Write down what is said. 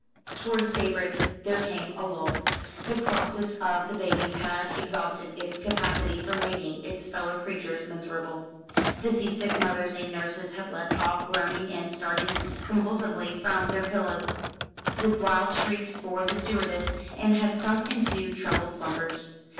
Towards daybreak there came a lull. The crossest of the babies had exhausted its capacity for making its fellow creatures miserable. The sea sick mothers and nurses had left off groaning, and starting convulsively from their pillows, with wild shrieks for the stewardess, and had sunk into troubled slumbers.